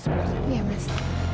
sebenarnya iya mas